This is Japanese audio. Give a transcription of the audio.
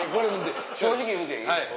正直言うていい？